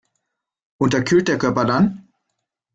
Unterkühlt der Körper dann?